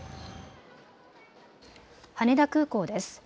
羽田空港です。